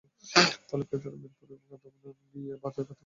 ফলে ক্রেতারা মিরপুরের কাতান কিনতে গিয়ে ভারতের কাতান কিনে বাড়ি ফিরছেন।